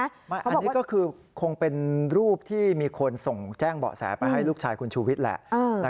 อันนี้ก็คือคงเป็นรูปที่มีคนส่งแจ้งเบาะแสไปให้ลูกชายคุณชูวิทย์แหละ